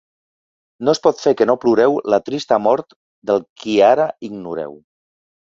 No es pot fer que no ploreu la trista mort del qui ara ignoreu.